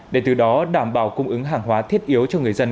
để từ đó đảm bảo cung ứng hàng hóa thiết yếu cho người dân